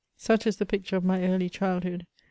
Such is the picture of my early childhood.